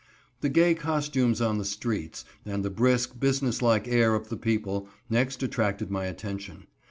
The gay costumes on the streets, and the brisk, business like air of the people, next attracted my attention.